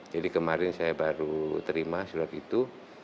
jadi kemarin saya baru terima surat itu